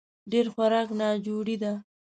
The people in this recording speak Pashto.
ډېر خوراک ناجوړي ده